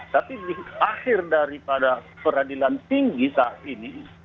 tapi di akhir daripada peradilan tinggi saat ini